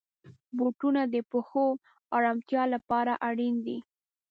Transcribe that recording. بوټونه د پښو آرامتیا لپاره اړین دي.